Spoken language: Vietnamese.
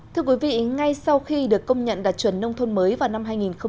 thưa quý vị ngay sau khi được công nhận đạt chuẩn nông thôn mới vào năm hai nghìn một mươi